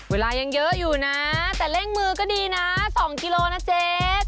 เวลายังเยอะอยู่นะแต่เร่งมือก็ดีนะ๒กิโลนะเจ๊